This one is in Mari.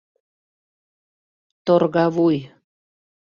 Торгавуй...»